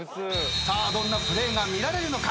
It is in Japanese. さあどんなプレーが見られるのか。